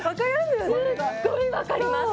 すっごい分かります！